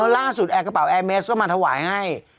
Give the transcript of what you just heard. ล่าสุดแอร์กระเป๋าแอร์เมสก็มาถวายให้